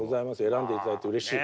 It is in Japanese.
選んで頂いてうれしい。